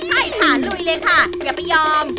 ใช่ค่ะลุยเลยค่ะอย่าไปยอม